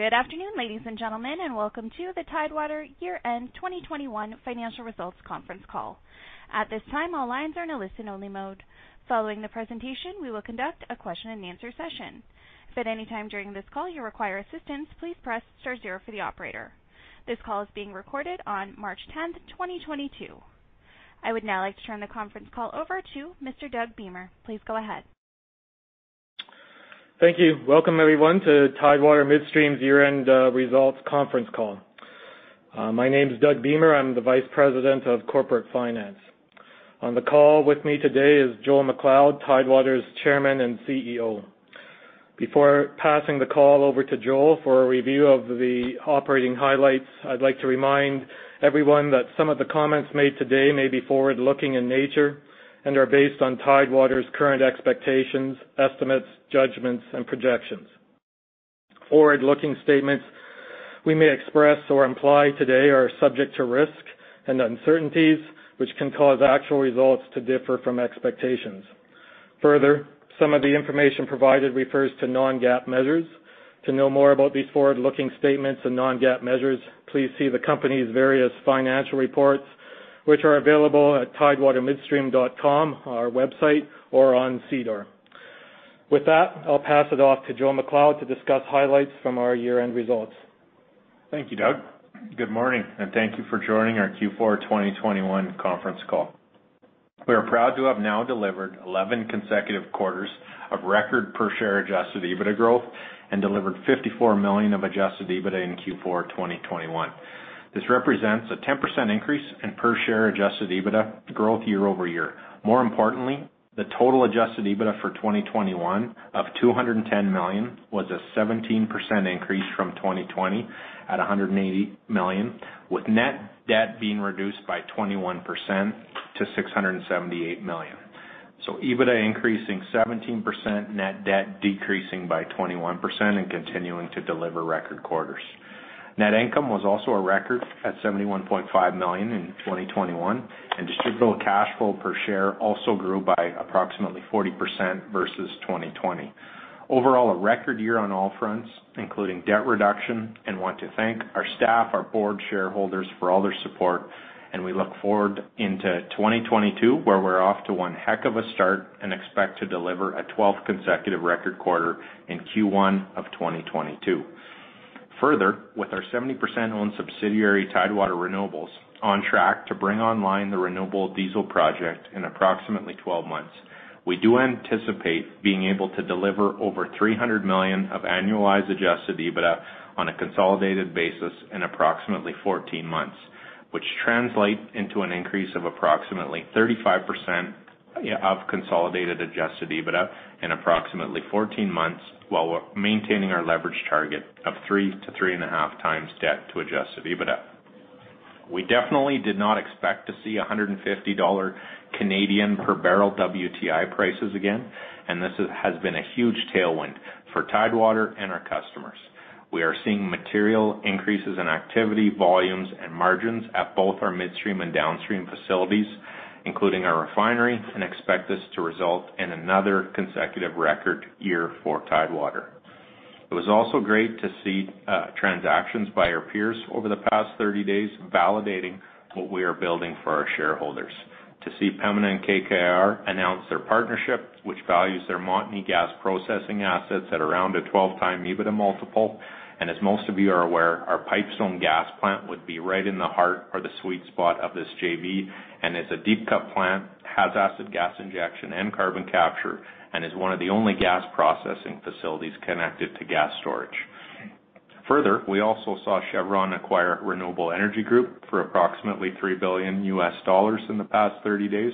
Good afternoon, ladies and gentlemen, and welcome to the Tidewater Year-end 2021 Financial Results Conference Call. At this time, all lines are in a listen-only mode. Following the presentation, we will conduct a question-and-answer session. If at any time during this call you require assistance, please press star zero for the operator. This call is being recorded on March 10, 2022. I would now like to turn the conference call over to Mr. Doug Beamer. Please go ahead. Thank you. Welcome, everyone, to Tidewater Midstream's year-end results conference call. My name is Doug Beamer. I'm the Vice President of Corporate Finance. On the call with me today is Joel MacLeod, Tidewater's Chairman and CEO. Before passing the call over to Joel for a review of the operating highlights, I'd like to remind everyone that some of the comments made today may be forward-looking in nature and are based on Tidewater's current expectations, estimates, judgments, and projections. Forward-looking statements we may express or imply today are subject to risk and uncertainties, which can cause actual results to differ from expectations. Further, some of the information provided refers to non-GAAP measures. To know more about these forward-looking statements and non-GAAP measures, please see the company's various financial reports, which are available at tidewatermidstream.com, our website, or on SEDAR. With that, I'll pass it off to Joel MacLeod to discuss highlights from our year-end results. Thank you, Doug. Good morning, and thank you for joining our Q4 2021 conference call. We are proud to have now delivered 11 consecutive quarters of record per share adjusted EBITDA growth and delivered 54 million of adjusted EBITDA in Q4 2021. This represents a 10% increase in per share adjusted EBITDA growth year over year. More importantly, the total adjusted EBITDA for 2021 of 210 million was a 17% increase from 2020 at 180 million, with net debt being reduced by 21% to 678 million. EBITDA increasing 17%, net debt decreasing by 21%, and continuing to deliver record quarters. Net income was also a record at 71.5 million in 2021, and distributable cash flow per share also grew by approximately 40% versus 2020. Overall, we had a record year on all fronts, including debt reduction, and want to thank our staff, our board, shareholders for all their support. We look forward into 2022, where we're off to one heck of a start and expect to deliver a 12th consecutive record quarter in Q1 of 2022. Further, with our 70% owned subsidiary, Tidewater Renewables, on track to bring online the renewable diesel project in approximately 12 months, we do anticipate being able to deliver over 300 million of annualized adjusted EBITDA on a consolidated basis in approximately 14 months, which translate into an increase of approximately 35% of consolidated adjusted EBITDA in approximately 14 months, while we're maintaining our leverage target of 3-3.5 times debt to adjusted EBITDA. We definitely did not expect to see 150 Canadian dollars per barrel WTI prices again, and this has been a huge tailwind for Tidewater and our customers. We are seeing material increases in activity, volumes, and margins at both our midstream and downstream facilities, including our refinery, and expect this to result in another consecutive record year for Tidewater. It was also great to see transactions by our peers over the past 30 days validating what we are building for our shareholders, to see Pembina and KKR announce their partnership, which values their Montney gas processing assets at around a 12x EBITDA multiple. As most of you are aware, our Pipestone gas plant would be right in the heart or the sweet spot of this JV, and as a deep cut plant, has acid gas injection and carbon capture and is one of the only gas processing facilities connected to gas storage. Further, we also saw Chevron acquire Renewable Energy Group for approximately $3 billion in the past 30 days,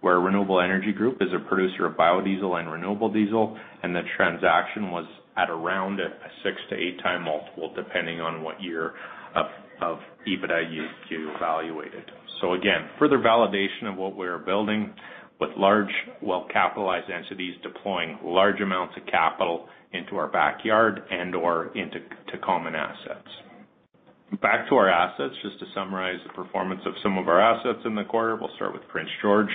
where Renewable Energy Group is a producer of biodiesel and renewable diesel, and the transaction was at around a 6-8x multiple, depending on what year of EBITDA you evaluated. Again, further validation of what we are building with large, well-capitalized entities deploying large amounts of capital into our backyard and/or into common assets. Back to our assets. Just to summarize the performance of some of our assets in the quarter, we'll start with Prince George.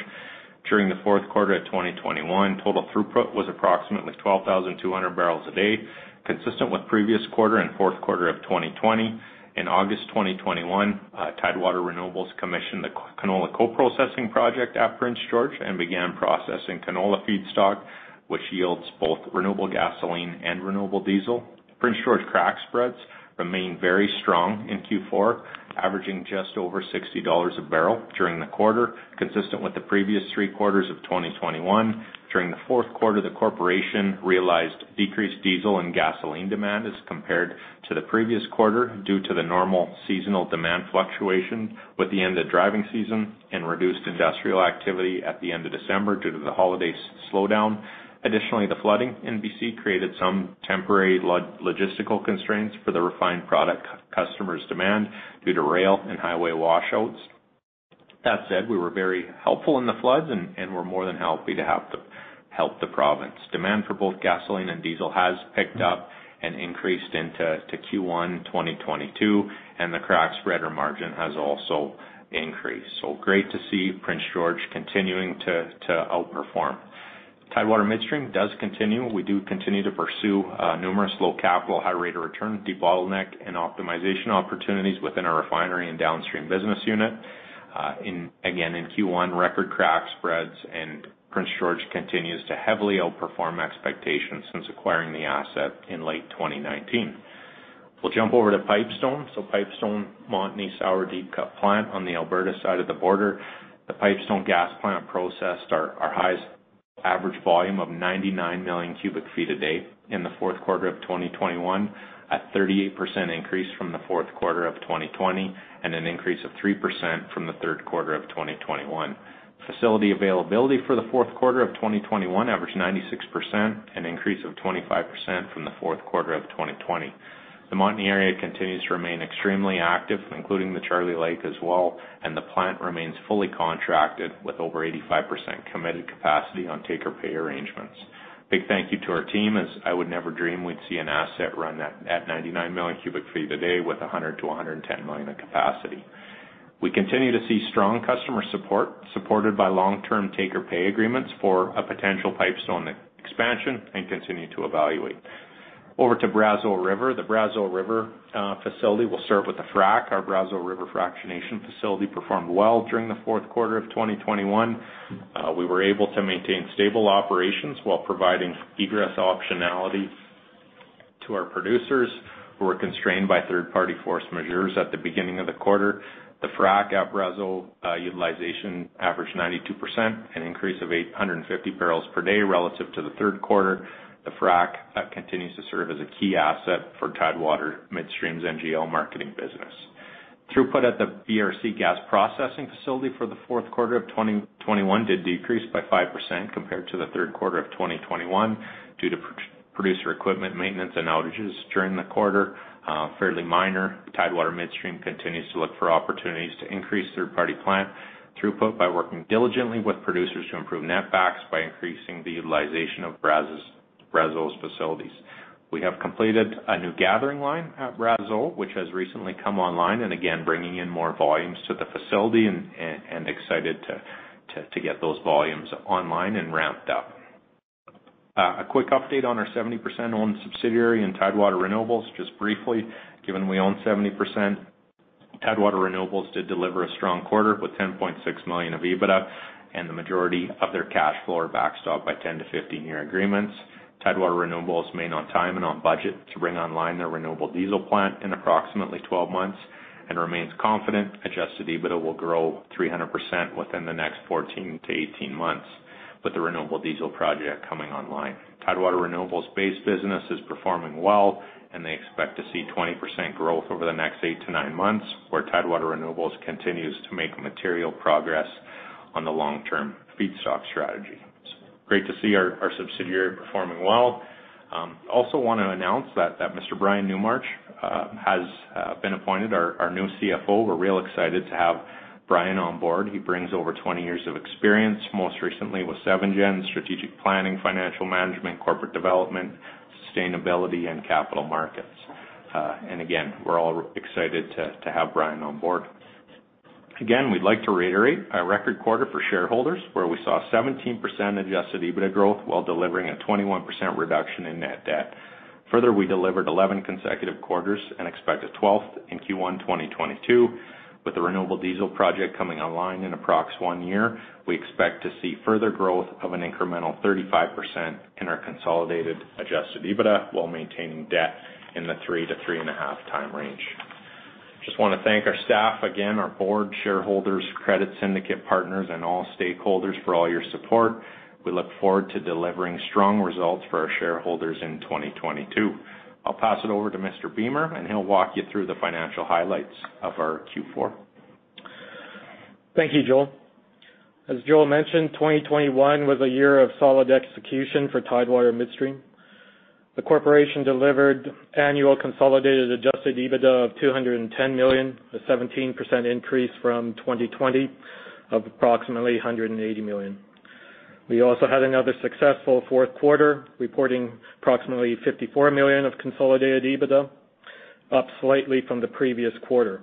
During the fourth quarter of 2021, total throughput was approximately 12,200 barrels a day, consistent with previous quarter and fourth quarter of 2020. In August 2021, Tidewater Renewables commissioned the Canola Co-Processing Project at Prince George and began processing canola feedstock, which yields both renewable gasoline and renewable diesel. Prince George crack spreads remained very strong in Q4, averaging just over $60 a barrel during the quarter, consistent with the previous three quarters of 2021. During the fourth quarter, the corporation realized decreased diesel and gasoline demand as compared to the previous quarter due to the normal seasonal demand fluctuation with the end of driving season and reduced industrial activity at the end of December due to the holiday slowdown. Additionally, the flooding in B.C. created some temporary logistical constraints for the refined product customers' demand due to rail and highway washouts. That said, we were very helpful in the floods, and we're more than happy to have to help the province. Demand for both gasoline and diesel has picked up and increased to Q1 2022, and the crack spread or margin has also increased. Great to see Prince George continuing to outperform. We continue to pursue numerous low capital, high rate of return, debottleneck, and optimization opportunities within our refinery and downstream business unit. Again, in Q1, record crack spreads and Prince George continues to heavily outperform expectations since acquiring the asset in late 2019. We'll jump over to Pipestone. Pipestone Montney sour deep cut plant on the Alberta side of the border. The Pipestone gas plant processed our highest average volume of 99 million cubic feet a day in the fourth quarter of 2021, a 38% increase from the fourth quarter of 2020, and an increase of 3% from the third quarter of 2021. Facility availability for the fourth quarter of 2021 averaged 96%, an increase of 25% from the fourth quarter of 2020. The Montney area continues to remain extremely active, including the Charlie Lake as well, and the plant remains fully contracted with over 85% committed capacity on take-or-pay arrangements. Big thank you to our team, as I would never dream we'd see an asset run at 99 million cubic feet a day with 100-110 million in capacity. We continue to see strong customer support, supported by long-term take-or-pay agreements for a potential Pipestone expansion and continue to evaluate. Over to Brazeau River. The Brazeau River facility will start with the frac. Our Brazeau River fractionation facility performed well during the fourth quarter of 2021. We were able to maintain stable operations while providing egress optionality to our producers who were constrained by third-party force majeure at the beginning of the quarter. The frac at Brazeau utilization averaged 92%, an increase of 850 barrels per day relative to the third quarter. The frac continues to serve as a key asset for Tidewater Midstream's NGL marketing business. Throughput at the BRC gas processing facility for the fourth quarter of 2021 did decrease by 5% compared to the third quarter of 2021 due to producer equipment maintenance and outages during the quarter. Fairly minor. Tidewater Midstream continues to look for opportunities to increase third-party plant throughput by working diligently with producers to improve netbacks by increasing the utilization of Brazeau facilities. We have completed a new gathering line at Brazeau, which has recently come online and again, bringing in more volumes to the facility and excited to get those volumes online and ramped up. A quick update on our 70% owned subsidiary, Tidewater Renewables, just briefly, given we own 70%. Tidewater Renewables did deliver a strong quarter with 10.6 million of EBITDA and the majority of their cash flow are backstopped by 10- to 15-year agreements. Tidewater Renewables made on time and on budget to bring online their renewable diesel plant in approximately 12 months and remains confident adjusted EBITDA will grow 300% within the next 14- to 18 months with the renewable diesel project coming online. Tidewater Renewables base business is performing well, and they expect to see 20% growth over the next 8- to 9 months, where Tidewater Renewables continues to make material progress on the long-term feedstock strategy. It's great to see our subsidiary performing well. Also wanna announce that Mr. Brian Newmarch has been appointed our new CFO. We're real excited to have Brian on board. He brings over 20 years of experience, most recently with Seven Gen, strategic planning, financial management, corporate development, sustainability and capital markets. Again, we're all excited to have Brian on board. Again, we'd like to reiterate a record quarter for shareholders where we saw 17% adjusted EBITDA growth while delivering a 21% reduction in net debt. Further, we delivered 11 consecutive quarters and expect a twelfth in Q1 2022. With the renewable diesel project coming online in approx 1 year, we expect to see further growth of an incremental 35% in our consolidated adjusted EBITDA while maintaining debt in the 3-3.5 times range. Just wanna thank our staff again, our board, shareholders, credit syndicate partners, and all stakeholders for all your support. We look forward to delivering strong results for our shareholders in 2022. I'll pass it over to Mr. Beamer, and he'll walk you through the financial highlights of our Q4. Thank you, Joel. As Joel mentioned, 2021 was a year of solid execution for Tidewater Midstream. The corporation delivered annual consolidated adjusted EBITDA of 210 million, a 17% increase from 2020 of approximately 180 million. We also had another successful fourth quarter, reporting approximately 54 million of consolidated EBITDA, up slightly from the previous quarter.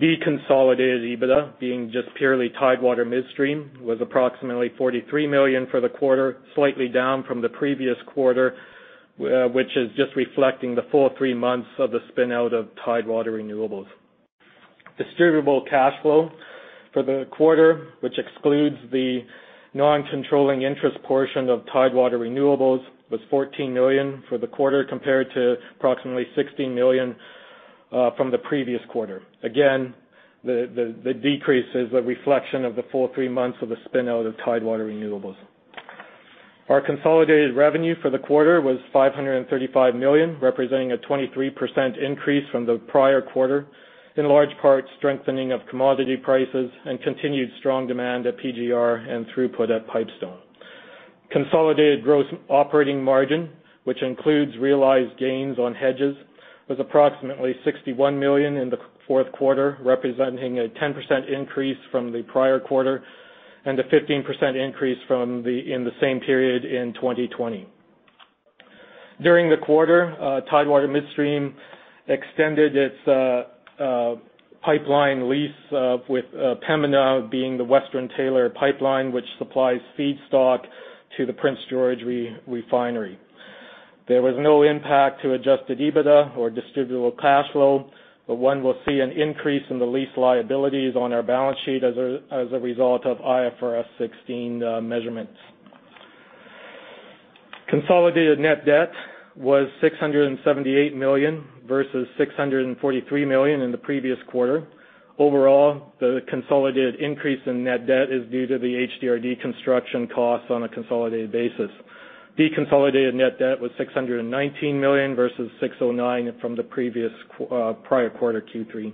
The consolidated EBITDA, being just purely Tidewater Midstream, was approximately 43 million for the quarter, slightly down from the previous quarter, which is just reflecting the full three months of the spin-out of Tidewater Renewables. Distributable cash flow for the quarter, which excludes the non-controlling interest portion of Tidewater Renewables, was 14 million for the quarter, compared to approximately 16 million from the previous quarter. Again, the decrease is a reflection of the full three months of the spin-out of Tidewater Renewables. Our consolidated revenue for the quarter was 535 million, representing a 23% increase from the prior quarter, in large part strengthening of commodity prices and continued strong demand at PGR and throughput at Pipestone. Consolidated gross operating margin, which includes realized gains on hedges, was approximately 61 million in the fourth quarter, representing a 10% increase from the prior quarter and a 15% increase from the same period in 2020. During the quarter, Tidewater Midstream extended its pipeline lease with Pembina being the Western Pipeline, which supplies feedstock to the Prince George Refinery. There was no impact to adjusted EBITDA or distributable cash flow, but one will see an increase in the lease liabilities on our balance sheet as a result of IFRS 16 measurements. Consolidated net debt was CAD 678 million versus CAD 643 million in the previous quarter. Overall, the consolidated increase in net debt is due to the HDRD construction costs on a consolidated basis. Deconsolidated net debt was 619 million versus 609 million from the previous prior quarter, Q3.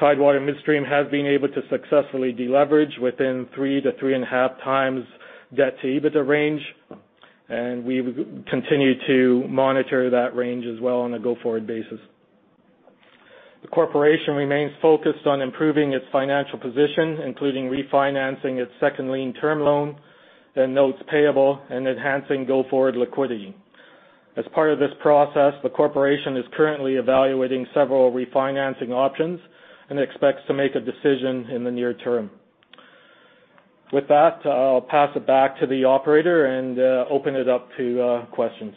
Tidewater Midstream has been able to successfully deleverage within 3-3.5 times debt-to-EBITDA range, and we will continue to monitor that range as well on a go-forward basis. The corporation remains focused on improving its financial position, including refinancing its second lien term loan and notes payable and enhancing go-forward liquidity. As part of this process, the corporation is currently evaluating several refinancing options and expects to make a decision in the near term. With that, I'll pass it back to the operator and open it up to questions.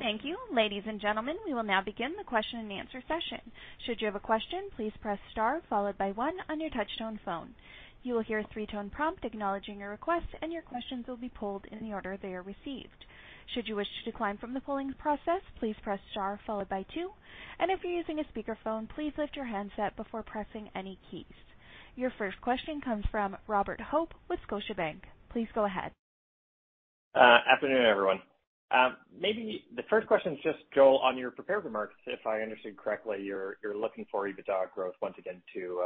Thank you. Ladies and gentlemen, we will now begin the question-and-answer session. Should you have a question, please press star followed by one on your touchtone phone. You will hear a three-tone prompt acknowledging your request, and your questions will be pulled in the order they are received. Should you wish to decline from the polling process, please press star followed by two. If you're using a speakerphone, please lift your handset before pressing any keys. Your first question comes from Robert Hope with Scotiabank. Please go ahead. Afternoon, everyone. Maybe the first question is just, Joel, on your prepared remarks. If I understood correctly, you're looking for EBITDA growth once again to,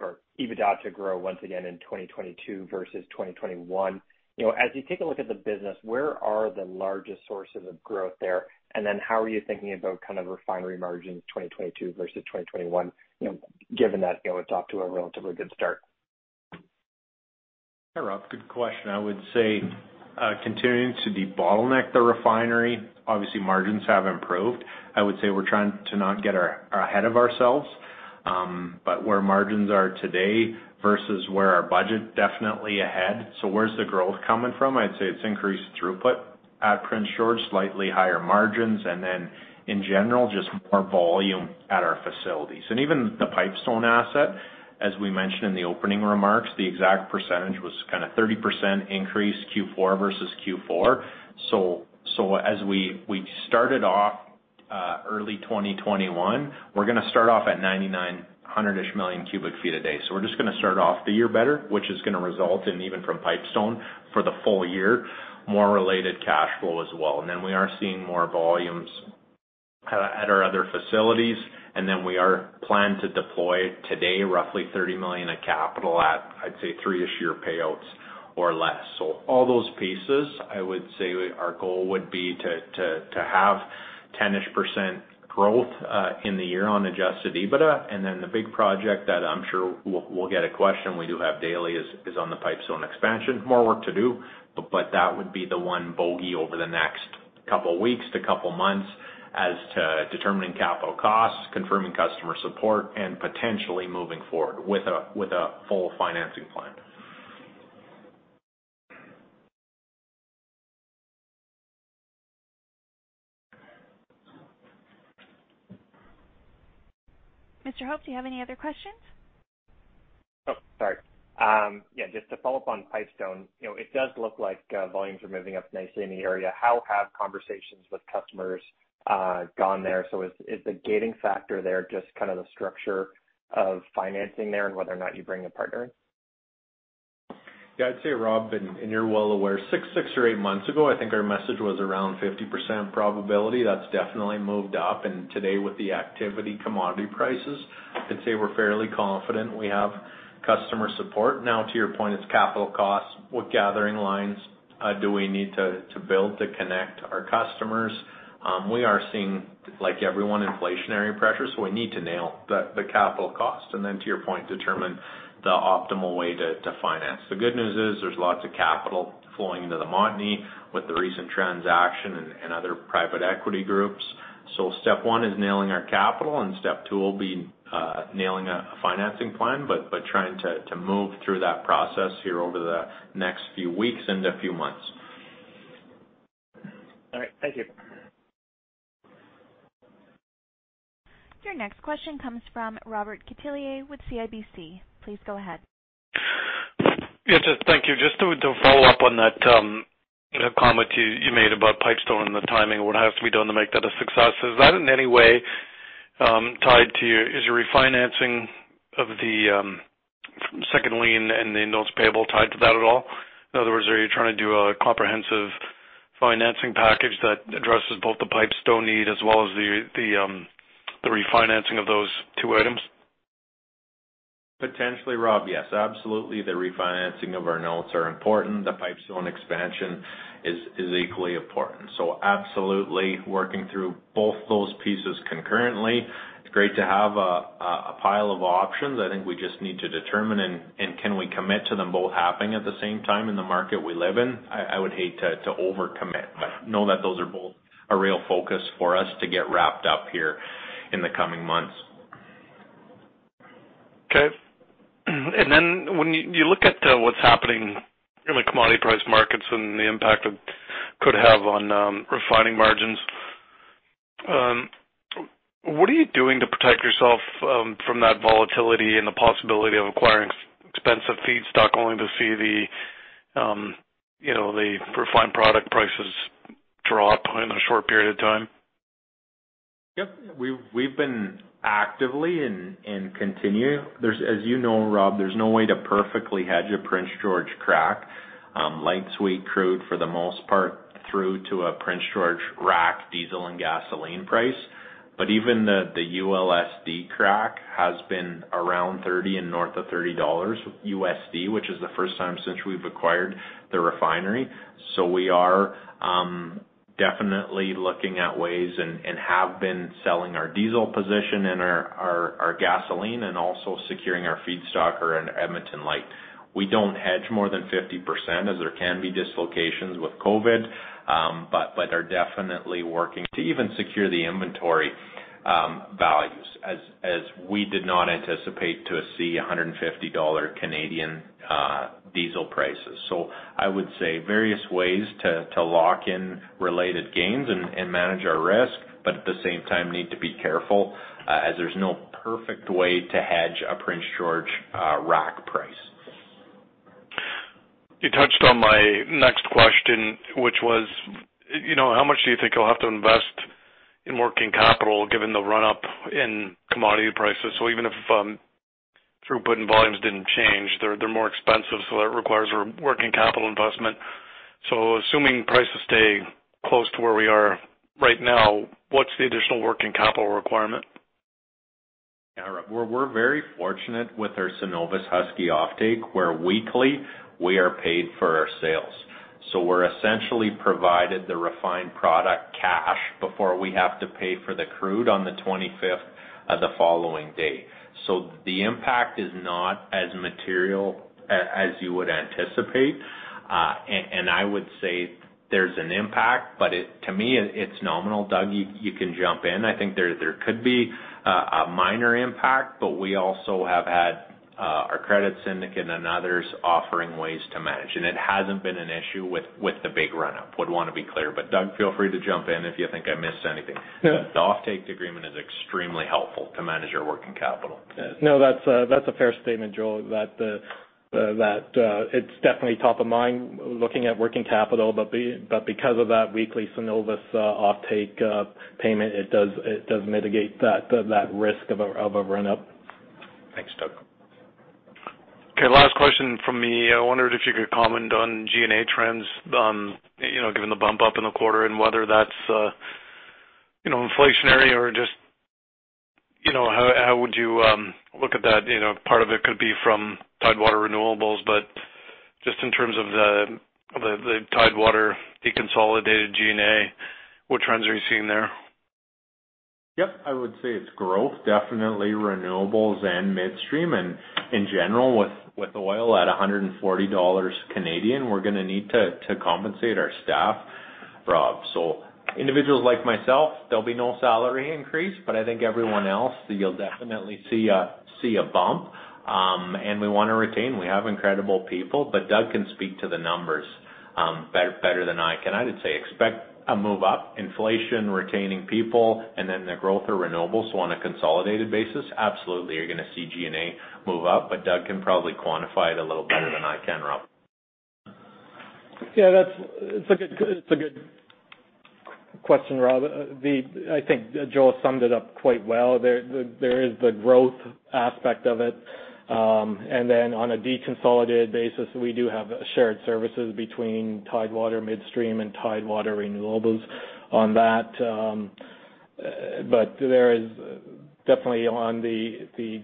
or EBITDA to grow once again in 2022 versus 2021. You know, as you take a look at the business, where are the largest sources of growth there? Then how are you thinking about kind of refinery margins 2022 versus 2021, you know, given that, you know, it's off to a relatively good start? Hi, Rob. Good question. I would say continuing to debottleneck the refinery. Obviously margins have improved. I would say we're trying to not get ahead of ourselves, but where margins are today versus where our budget definitely ahead. Where's the growth coming from? I'd say it's increased throughput at Prince George, slightly higher margins, and then in general, just more volume at our facilities. Even the Pipestone asset, as we mentioned in the opening remarks, the exact percentage was kinda 30% increase Q4 versus Q4. As we started off early 2021, we're gonna start off at 99, 100-ish million cubic feet a day. We're just gonna start off the year better, which is gonna result in even from Pipestone for the full year, more reliable cash flow as well. Then we are seeing more volumes at our other facilities. Then we are planning to deploy today roughly 30 million of capital at, I'd say 3-ish year payouts or less. All those pieces, I would say our goal would be to have 10%-ish growth in the year on adjusted EBITDA. Then the big project that I'm sure we'll get a question we do have daily is on the Pipestone expansion. More work to do, but that would be the one bogey over the next couple weeks to couple months as to determining capital costs, confirming customer support, and potentially moving forward with a full financing plan. Mr. Hope, do you have any other questions? Oh, sorry. Yeah, just to follow up on Pipestone, you know, it does look like volumes are moving up nicely in the area. How have conversations with customers gone there? Is the gating factor there just kind of the structure of financing there and whether or not you bring a partner in? Yeah, I'd say, Rob, you're well aware, 6 or 8 months ago, I think our message was around 50% probability. That's definitely moved up. Today with the active commodity prices, I'd say we're fairly confident we have customer support. Now to your point, it's capital costs. What gathering lines do we need to build to connect our customers? We are seeing, like everyone, inflationary pressures, so we need to nail the capital cost. Then to your point, determine the optimal way to finance. The good news is there's lots of capital flowing into the Montney with the recent transaction and other private equity groups. Step one is nailing our capital and step two will be nailing a financing plan, but trying to move through that process here over the next few weeks into a few months. All right. Thank you. Your next question comes from Robert Catellier with CIBC. Please go ahead. Yes, thank you. Just to follow up on that comment you made about Pipestone and the timing, what has to be done to make that a success. Is that in any way tied to your refinancing of the second lien and the notes payable tied to that at all? In other words, are you trying to do a comprehensive financing package that addresses both the Pipestone need as well as the refinancing of those two items? Potentially, Rob, yes, absolutely. The refinancing of our notes are important. The Pipestone expansion is equally important. Absolutely working through both those pieces concurrently. It's great to have a pile of options. I think we just need to determine and can we commit to them both happening at the same time in the market we live in? I would hate to over-commit, but know that those are both a real focus for us to get wrapped up here. In the coming months. Okay. When you look at what's happening in the commodity price markets and the impact it could have on refining margins, what are you doing to protect yourself from that volatility and the possibility of acquiring expensive feedstock only to see the, you know, the refined product prices drop in a short period of time? Yep. We've been actively and continue. As you know, Rob, there's no way to perfectly hedge a Prince George crack, light sweet crude for the most part through to a Prince George rack diesel and gasoline price. Even the ULSD crack has been around $30 and north of $30, which is the first time since we've acquired the refinery. We are definitely looking at ways and have been selling our diesel position and our gasoline and also securing our feedstock or in Edmonton Light. We don't hedge more than 50% as there can be dislocations with COVID, but are definitely working to even secure the inventory values as we did not anticipate to see 150 Canadian dollars diesel prices. I would say various ways to lock in related gains and manage our risk, but at the same time need to be careful, as there's no perfect way to hedge a Prince George rack price. You touched on my next question, which was, you know, how much do you think you'll have to invest in working capital given the run-up in commodity prices? Even if throughput and volumes didn't change, they're more expensive, so that requires a working capital investment. Assuming prices stay close to where we are right now, what's the additional working capital requirement? Yeah, Rob. We're very fortunate with our Cenovus Energy offtake, where weekly we are paid for our sales. We're essentially provided the refined product cash before we have to pay for the crude on the 25th of the following day. The impact is not as material as you would anticipate, and I would say there's an impact, but it to me it's nominal. Doug, you can jump in. I think there could be a minor impact, but we also have had our credit syndicate and others offering ways to manage. It hasn't been an issue with the big run-up, would wanna be clear. Doug, feel free to jump in if you think I missed anything. Yeah. The offtake agreement is extremely helpful to manage our working capital. No, that's a fair statement, Joel, that it's definitely top of mind looking at working capital. Because of that weekly Cenovus offtake payment, it does mitigate that risk of a run-up. Thanks, Doug. Okay, last question from me. I wondered if you could comment on G&A trends, you know, given the bump up in the quarter and whether that's, you know, inflationary or just, you know, how would you look at that? You know, part of it could be from Tidewater Renewables, but just in terms of the Tidewater deconsolidated G&A, what trends are you seeing there? Yep. I would say it's growth, definitely renewables and midstream. In general, with oil at 140 Canadian dollars, we're gonna need to compensate our staff, Rob. Individuals like myself, there'll be no salary increase, but I think everyone else, you'll definitely see a bump. We wanna retain. We have incredible people, but Doug can speak to the numbers, better than I can. I would say expect a move up, inflation, retaining people, and then the growth of renewables on a consolidated basis. Absolutely, you're gonna see G&A move up, but Doug can probably quantify it a little better than I can, Rob. Yeah, it's a good question, Rob. I think Joel summed it up quite well. There is the growth aspect of it. And then on a deconsolidated basis, we do have shared services between Tidewater Midstream and Tidewater Renewables on that, but there is definitely on the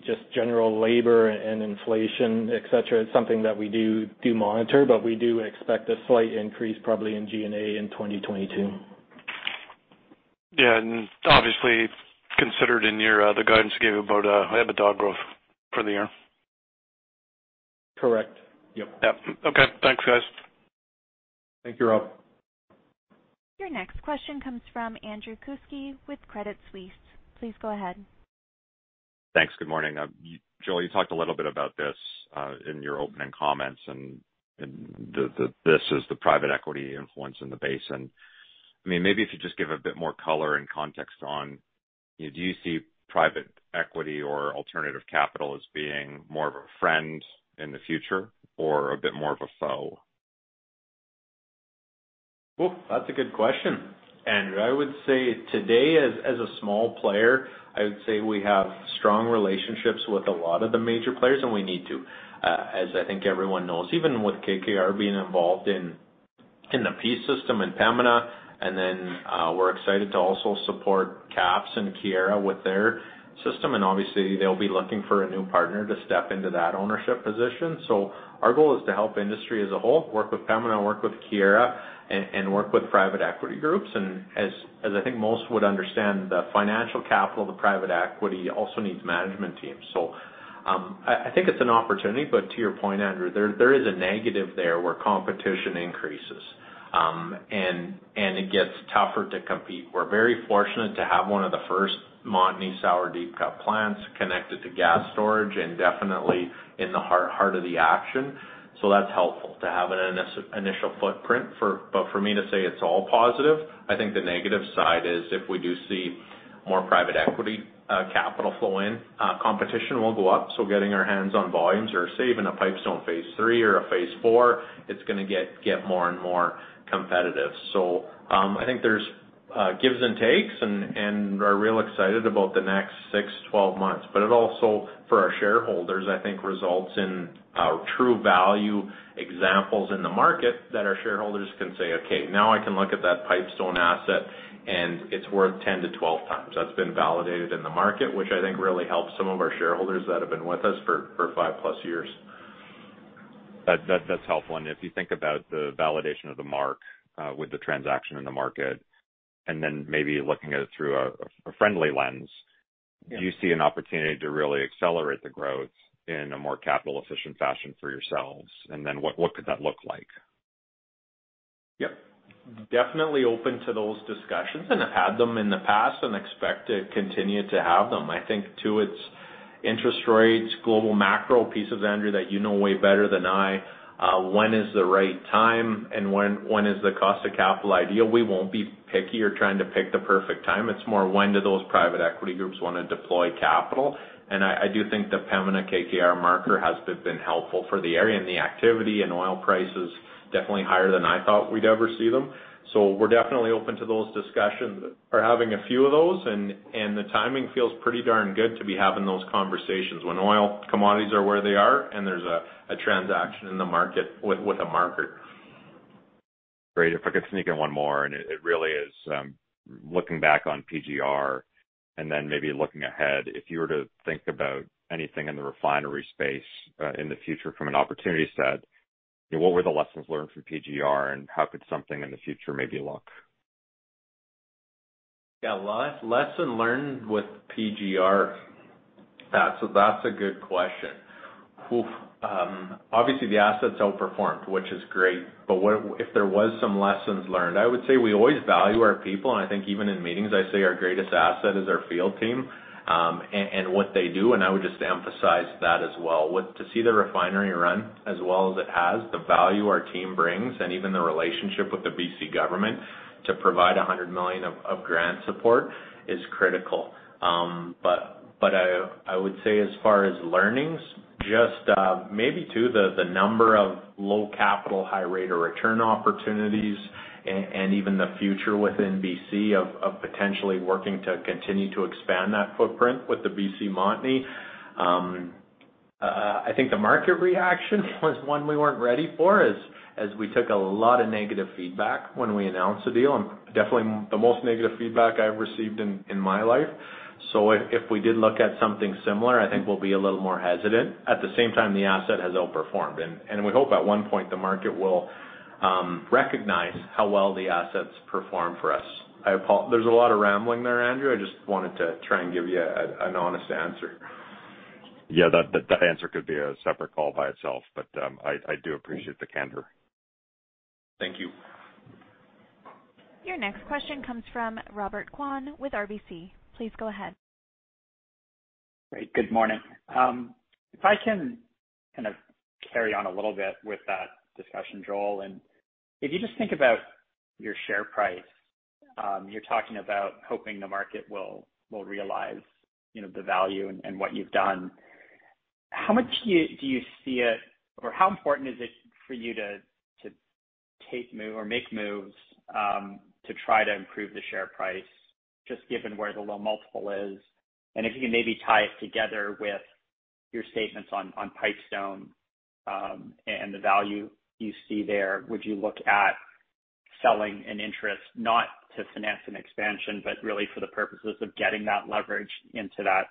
just general labor and inflation, et cetera. It's something that we do monitor, but we do expect a slight increase probably in G&A in 2022. Yeah, obviously considered in your, the guidance you gave about, EBITDA growth for the year. Correct. Yep. Yep. Okay. Thanks, guys. Thank you, Rob. Your next question comes from Andrew Kuske with Credit Suisse. Please go ahead. Thanks. Good morning. Joel, you talked a little bit about this in your opening comments, and this is the private equity influence in the basin. I mean, maybe if you just give a bit more color and context on, you know, do you see private equity or alternative capital as being more of a friend in the future or a bit more of a foe? Oh, that's a good question, Andrew. I would say today, as a small player, we have strong relationships with a lot of the major players, and we need to. As I think everyone knows, even with KKR being involved in the Peace system and Pembina, we're excited to also support KAPS and Keyera with their system. Obviously, they'll be looking for a new partner to step into that ownership position. Our goal is to help industry as a whole work with Pembina, work with Keyera, and work with private equity groups. As I think most would understand, the financial capital, the private equity also needs management teams. I think it's an opportunity. To your point, Andrew, there is a negative there where competition increases, and it gets tougher to compete. We're very fortunate to have one of the first Montney sour deep cut plants connected to gas storage and definitely in the heart of the action. That's helpful to have an initial footprint. For me to say it's all positive, I think the negative side is if we do see more private equity capital flow in, competition will go up. Getting our hands on volumes or say, even a Pipestone Phase III or a Phase IV, it's gonna get more and more competitive. I think there's gives and takes, and we're real excited about the next 6, 12 months. It also, for our shareholders, I think results in true value examples in the market that our shareholders can say, "Okay, now I can look at that Pipestone asset and it's worth 10x-12x." That's been validated in the market, which I think really helps some of our shareholders that have been with us for 5+ years. That, that's helpful. If you think about the validation of the mark, with the transaction in the market, and then maybe looking at it through a friendly lens- Yeah. Do you see an opportunity to really accelerate the growth in a more capital efficient fashion for yourselves? Then what could that look like? Yep. Definitely open to those discussions, and I've had them in the past and expect to continue to have them. I think too it's interest rates, global macro pieces, Andrew, that you know way better than I, when is the right time and when is the cost of capital ideal. We won't be picky or trying to pick the perfect time. It's more when do those private equity groups wanna deploy capital. I do think the Pembina KKR merger has been helpful for the area and the activity and oil prices, definitely higher than I thought we'd ever see them. We're definitely open to those discussions. We're having a few of those, and the timing feels pretty darn good to be having those conversations when oil commodities are where they are and there's a transaction in the market with a merger. Great. If I could sneak in one more, and it really is looking back on PGR and then maybe looking ahead. If you were to think about anything in the refinery space, in the future from an opportunity set, what were the lessons learned from PGR and how could something in the future maybe look? Lesson learned with PGR. That's a good question. Obviously the assets outperformed, which is great, but if there was some lessons learned, I would say we always value our people, and I think even in meetings, I say our greatest asset is our field team, and what they do, and I would just emphasize that as well. To see the refinery run as well as it has, the value our team brings and even the relationship with the BC government to provide 100 million of grant support is critical. But I would say as far as learnings, just maybe to the number of low capital, high rate of return opportunities and even the future within BC of potentially working to continue to expand that footprint with the BC Montney. I think the market reaction was one we weren't ready for as we took a lot of negative feedback when we announced the deal, and definitely the most negative feedback I've received in my life. If we did look at something similar, I think we'll be a little more hesitant. At the same time, the asset has outperformed and we hope at one point the market will recognize how well the assets perform for us. There's a lot of rambling there, Andrew. I just wanted to try and give you an honest answer. Yeah, that answer could be a separate call by itself, but I do appreciate the candor. Thank you. Your next question comes from Robert Kwan with RBC. Please go ahead. Great. Good morning. If I can kind of carry on a little bit with that discussion, Joel, and if you just think about your share price, you're talking about hoping the market will realize, you know, the value and what you've done. How much do you see it or how important is it for you to take move or make moves to try to improve the share price, just given where the low multiple is? And if you can maybe tie it together with your statements on Pipestone and the value you see there, would you look at selling an interest not to finance an expansion, but really for the purposes of getting that leverage into that,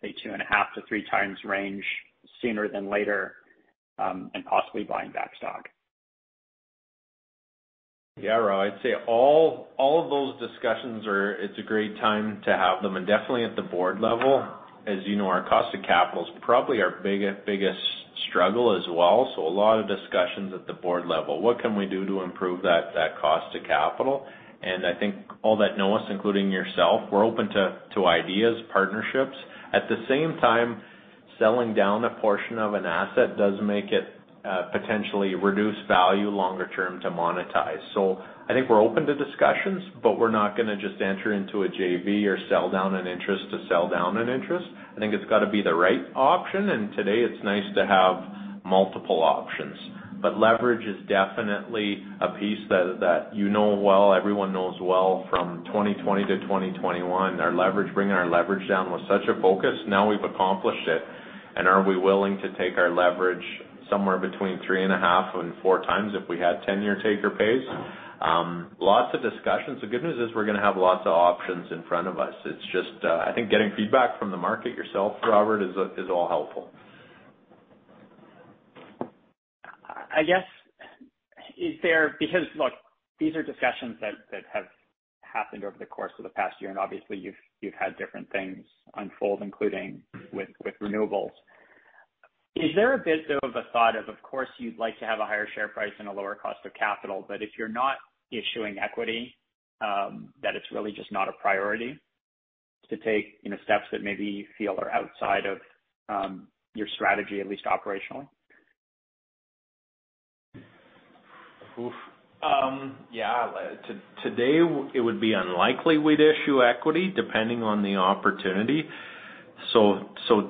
say, 2.5-3 times range sooner than later and possibly buying back stock? Yeah, Rob, I'd say all of those discussions are. It's a great time to have them. Definitely at the board level, as you know, our cost of capital is probably our biggest struggle as well. A lot of discussions at the board level, what can we do to improve that cost of capital? I think all who know us, including yourself, we're open to ideas, partnerships. At the same time, selling down a portion of an asset does make it potentially reduce value longer term to monetize. I think we're open to discussions, but we're not gonna just enter into a JV or sell down an interest. I think it's gotta be the right option, and today it's nice to have multiple options. Leverage is definitely a piece that you know well, everyone knows well from 2020 to 2021, our leverage bringing our leverage down was such a focus. Now we've accomplished it, are we willing to take our leverage somewhere between 3.5-4 times if we had 10-year take-or-pays? Lots of discussions. The good news is we're gonna have lots of options in front of us. It's just, I think getting feedback from the market yourself, Robert, is all helpful. Because look, these are discussions that have happened over the course of the past year, and obviously you've had different things unfold, including with renewables. Is there a bit of a thought, of course you'd like to have a higher share price and a lower cost of capital, but if you're not issuing equity, that it's really just not a priority to take, you know, steps that maybe you feel are outside of your strategy, at least operationally? Today it would be unlikely we'd issue equity depending on the opportunity.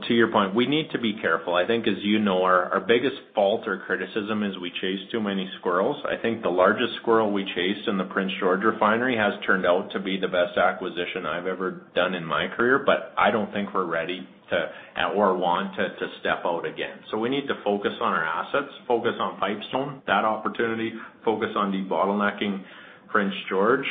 To your point, we need to be careful. I think, as you know, our biggest fault or criticism is we chase too many squirrels. I think the largest squirrel we chased in the Prince George Refinery has turned out to be the best acquisition I've ever done in my career. I don't think we're ready to, or want to, step out again. We need to focus on our assets, focus on Pipestone, that opportunity, focus on debottlenecking Prince George.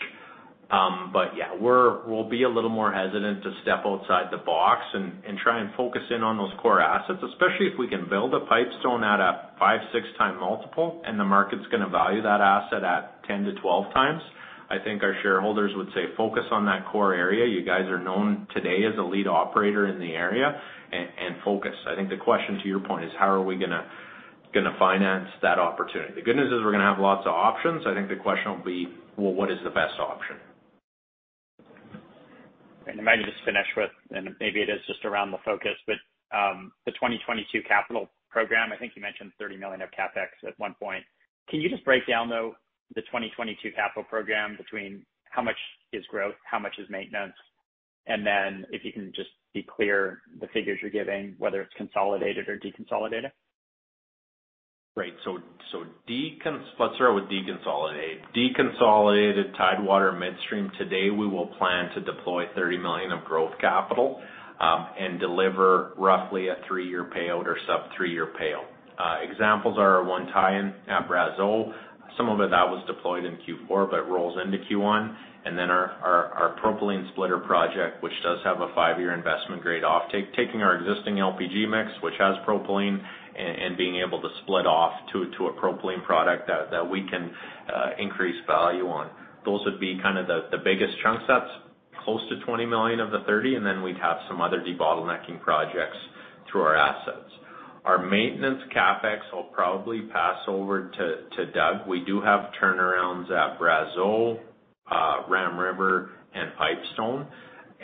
Yeah, we'll be a little more hesitant to step outside the box and try and focus in on those core assets, especially if we can build a Pipestone at a 5-6x multiple, and the market's gonna value that asset at 10-12x. I think our shareholders would say, "Focus on that core area. You guys are known today as a lead operator in the area and focus." I think the question, to your point, is how are we gonna finance that opportunity. The good news is we're gonna have lots of options. I think the question will be, well, what is the best option. Maybe it is just around the focus, but the 2022 capital program, I think you mentioned 30 million of CapEx at one point. Can you just break down, though, the 2022 capital program between how much is growth, how much is maintenance? Then if you can just be clear, the figures you're giving, whether it's consolidated or deconsolidated. Let's start with deconsolidate. Deconsolidated Tidewater Midstream today, we will plan to deploy 30 million of growth capital and deliver roughly a 3-year payout or sub 3-year payout. Examples are our 1 tie-in at Brazeau. Some of it that was deployed in Q4 but rolls into Q1. Our propylene splitter project, which does have a 5-year investment grade offtake, taking our existing LPG mix, which has propylene, and being able to split off to a propylene product that we can increase value on. Those would be kind of the biggest chunks. That's close to 20 million of the 30, and then we'd have some other debottlenecking projects through our assets. Our maintenance CapEx, I'll probably pass over to Doug. We do have turnarounds at Brazeau, Ram River, and Pipestone.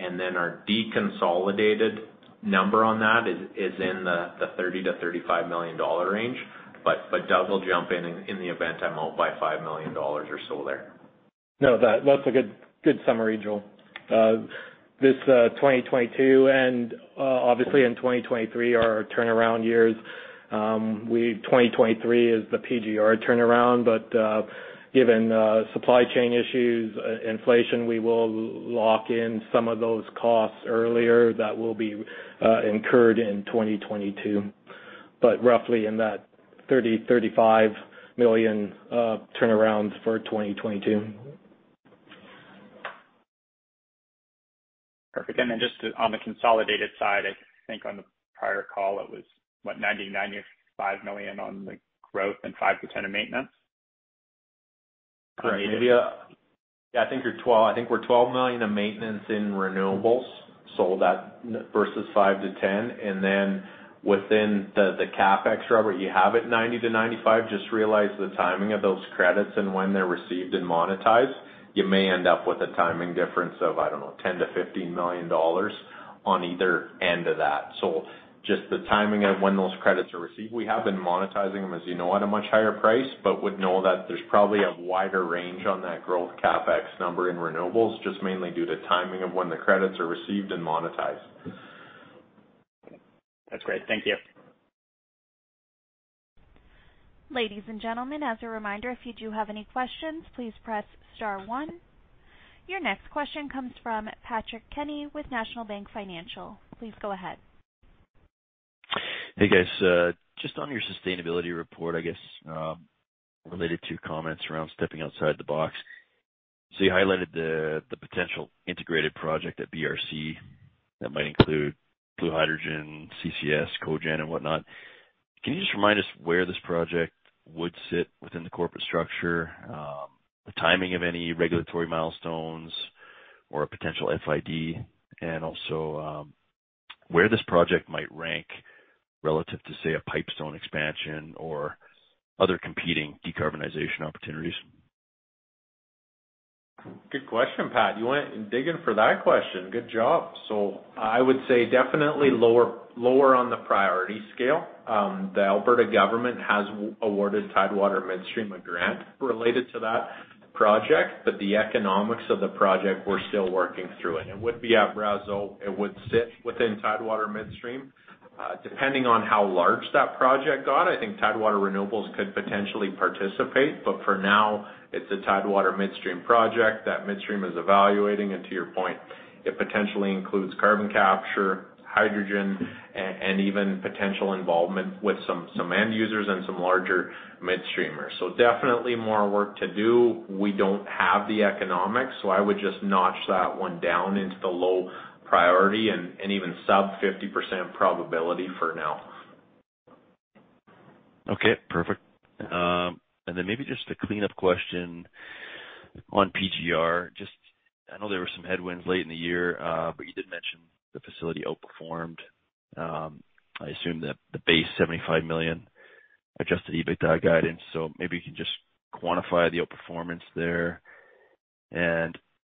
Our deconsolidated number on that is in the 30 million-35 million dollar range. Doug will jump in the event I'm out by 5 million dollars or so there. No, that's a good summary, Joel. This 2022 and obviously in 2023 are our turnaround years. 2023 is the PGR turnaround, but given supply chain issues, inflation, we will lock in some of those costs earlier that will be incurred in 2022. Roughly in that 30 million-35 million turnarounds for 2022. Perfect. Just on the consolidated side, I think on the prior call it was, what? 90 million-95 million on the growth and 5-10 of maintenance? Great. Maybe, yeah, I think we're 12 million of maintenance in renewables. That versus 5 million-10 million. Within the CapEx, Robert, you have it 90 million-95 million. Just realize the timing of those credits and when they're received and monetized, you may end up with a timing difference of, I don't know, 10 million-15 million dollars on either end of that. Just the timing of when those credits are received. We have been monetizing them, as you know, at a much higher price, but you know that there's probably a wider range on that growth CapEx number in renewables, just mainly due to timing of when the credits are received and monetized. That's great. Thank you. Ladies and gentlemen, as a reminder, if you do have any questions, please press star one. Your next question comes from Patrick Kenny with National Bank Financial. Please go ahead. Hey, guys. Just on your sustainability report, I guess, related to comments around stepping outside the box. You highlighted the potential integrated project at BRC that might include blue hydrogen, CCS, cogen and whatnot. Can you just remind us where this project would sit within the corporate structure? The timing of any regulatory milestones or a potential FID? Where this project might rank relative to, say, a Pipestone expansion or other competing decarbonization opportunities? Good question, Pat. You went digging for that question. Good job. I would say definitely lower on the priority scale. The Alberta government has awarded Tidewater Midstream a grant related to that project, but the economics of the project, we're still working through it. It would be at Brazeau. It would sit within Tidewater Midstream. Depending on how large that project got, I think Tidewater Renewables could potentially participate, but for now, it's a Tidewater Midstream project that Midstream is evaluating. To your point, it potentially includes carbon capture, hydrogen, and even potential involvement with some end users and some larger midstreamers. Definitely more work to do. We don't have the economics, so I would just notch that one down into the low priority and even sub 50% probability for now. Okay, perfect. Maybe just a cleanup question on PGR. Just, I know there were some headwinds late in the year, but you did mention the facility outperformed. I assume that the base 75 million adjusted EBITDA guidance, so maybe you can just quantify the outperformance there.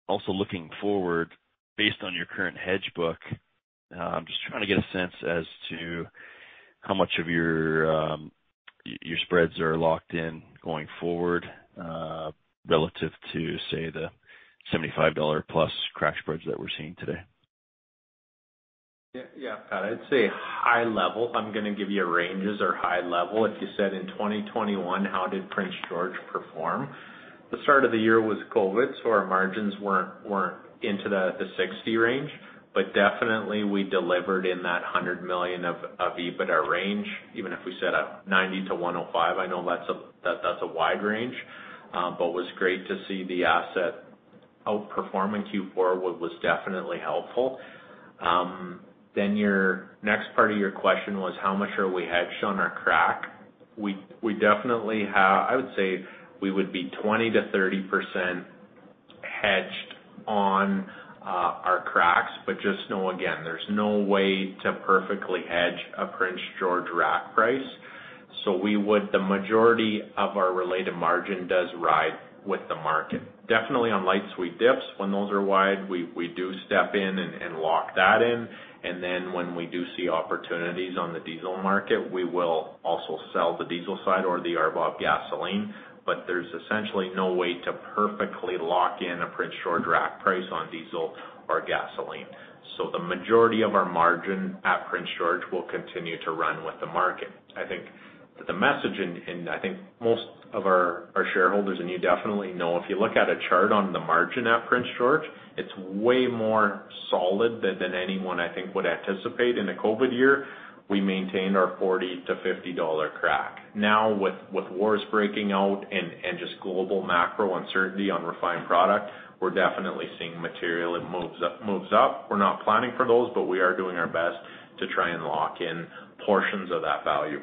Also looking forward, based on your current hedge book, I'm just trying to get a sense as to how much of your spreads are locked in going forward, relative to, say, the $75+ crack spreads that we're seeing today. Yeah. Yeah, Pat, I'd say high level. I'm gonna give you ranges or high level. If you said in 2021, how did Prince George perform? The start of the year was COVID, so our margins weren't into the $60 range. Definitely we delivered in that 100 million EBITDA range, even if we set up 90 million-105 million. I know that's a wide range, but was great to see the asset outperforming. Q4 was definitely helpful. Your next part of your question was how much are we hedged on our crack? We definitely have. I would say we would be 20%-30% hedged on our cracks. But just know, again, there's no way to perfectly hedge a Prince George rack price. The majority of our related margin does ride with the market. Definitely on light sweet dips, when those are wide, we do step in and lock that in. Then when we do see opportunities on the diesel market, we will also sell the diesel side or the above gasoline. There's essentially no way to perfectly lock in a Prince George rack price on diesel or gasoline. The majority of our margin at Prince George will continue to run with the market. I think the message is, and I think most of our shareholders, and you definitely know if you look at a chart on the margin at Prince George, it's way more solid than anyone I think would anticipate. In a COVID year, we maintained our $40-$50 crack. Now with wars breaking out and just global macro uncertainty on refined product, we're definitely seeing material that moves up. We're not planning for those, but we are doing our best to try and lock in portions of that value.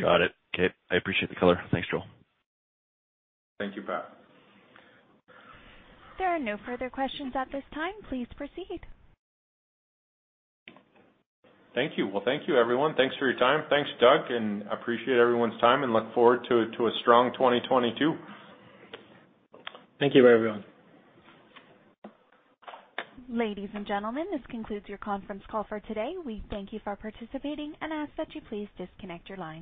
Got it. Okay. I appreciate the color. Thanks, Joel. Thank you, Pat. There are no further questions at this time. Please proceed. Thank you. Well, thank you everyone. Thanks for your time. Thanks, Doug, and appreciate everyone's time and look forward to a strong 2022. Thank you, everyone. Ladies and gentlemen, this concludes your conference call for today. We thank you for participating and ask that you please disconnect your lines.